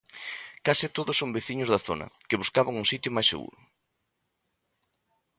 Case todos son veciños da zona que buscaban un sitio máis seguro.